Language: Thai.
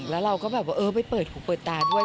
แล้วเราก็เออโยไปเปิดหูเปิดตาด้วย